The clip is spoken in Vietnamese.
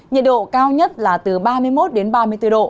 nhiệt độ cao nhất là từ ba mươi một ba mươi bốn độ